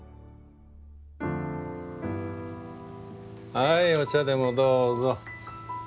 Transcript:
はいお茶でもどうぞ。